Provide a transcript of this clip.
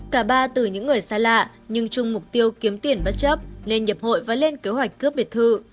cả ba từ những người xa lạ nhưng chung mục tiêu kiếm tiền bất chấp nên nhập hội và lên kế hoạch cướp biệt thự